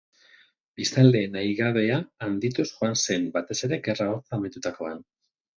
Biztanleen nahigabea handituz joan zen, batez ere Gerra Hotza amaitutakoan.